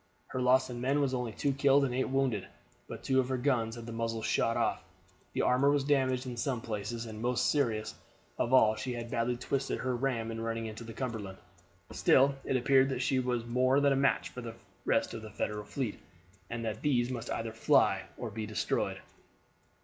Her loss in men was only two killed and eight wounded; but two of her guns had the muzzles shot off, the armor was damaged in some places, and most serious of all she had badly twisted her ram in running into the Cumberland. Still it appeared that she was more than a match for the rest of the Federal fleet, and that these must either fly or be destroyed.